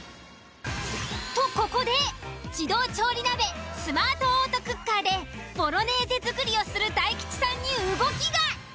とここで自動調理鍋スマートオートクッカーでボロネーゼ作りをする大吉さんに動きが！